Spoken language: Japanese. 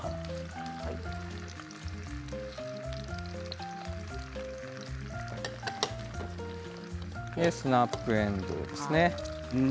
で、スナップえんどうですね。